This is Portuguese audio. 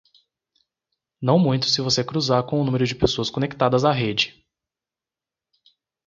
Não muito se você cruzar com o número de pessoas conectadas à rede.